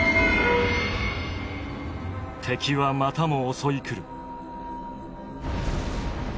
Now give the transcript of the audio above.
敵はまたも襲い来る。